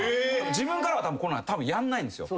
自分からはたぶんやんないんですよ。